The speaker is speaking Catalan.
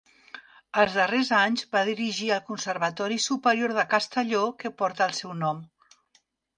Els darrers anys va dirigir el Conservatori Superior de Castelló que porta el seu nom.